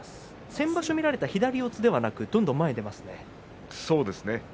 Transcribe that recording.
先場所、見られた左四つではなくどんどん前に入れますね。